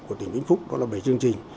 của tỉnh vinh phúc đó là bảy chương trình